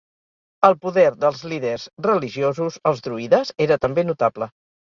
El poder dels líders religiosos, els druides, era també notable.